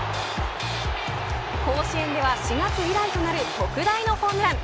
甲子園では４月以来となる特大のホームラン。